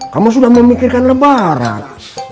kamu sudah memikirkan lebaran